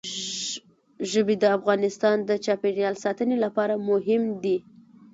ژبې د افغانستان د چاپیریال ساتنې لپاره مهم دي.